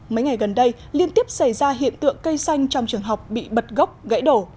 mấy ngày gần đây liên tiếp xảy ra hiện tượng cây xanh trong trường học bị bật gốc gãy đổ